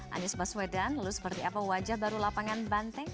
anies baswedan lalu seperti apa wajah baru lapangan banteng